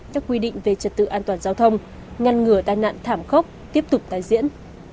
các quy định về trật tự an toàn giao thông ngăn ngừa tai nạn thảm khốc tiếp tục tái diễn